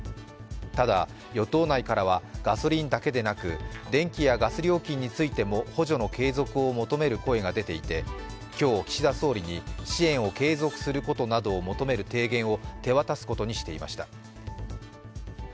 ただ、与党内からはガソリンだけでなく電気やガス料金についても補助の継続を求める声が出ていて今日、岸田総理に支援を継続することなどを求める提言を手渡すことにしていました。